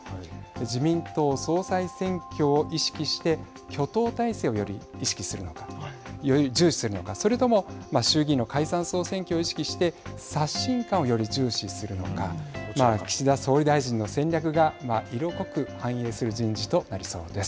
自民党総裁選挙を意識して挙党体制をより意識するのかより重視するのかそれとも衆議院の解散総選挙を意識して刷新感を、より重視するのか岸田総理大臣の戦略が色濃く反映する人事となりそうです。